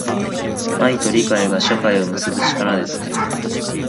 愛と理解が、社会を結ぶ力ですね。